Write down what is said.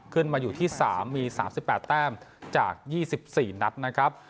ขึ้นมาอยู่ที่สามมีสามสิบแปดแต้มจากยี่สิบสี่นัดนะครับ